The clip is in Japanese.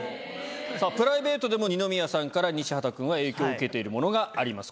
さぁプライベートでも二宮さんから西畑くんは影響を受けているものがあります